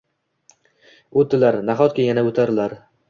Oʻtdilar! Nahotki yana oʻtarlar?!